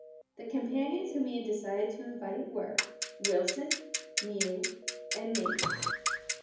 The companions whom he had decided to invite were: Wilson, Mew, and Maitland.